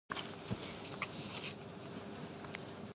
我们为商业目的向第三方披露或共享的您的个人信息类别；